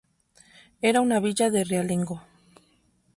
Era una villa de realengo.